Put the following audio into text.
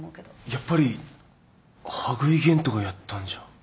やっぱり羽喰玄斗がやったんじゃ。